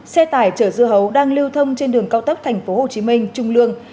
xe tải chở dưa hấu đang lưu thông trên đường cao tốc tp hcm trung lương